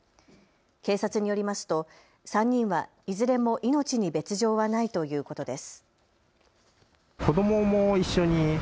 警察によりますと３人はいずれも命に別状はないということです。